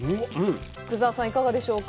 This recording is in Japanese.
福澤さん、いかがでしょうか。